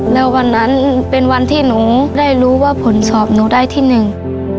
แล้ววันนั้นเป็นวันที่หนูได้รู้ว่าผลสอบหนูได้ที่หนึ่ง